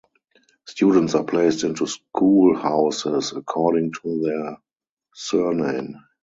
Students are placed into school houses according to their surname.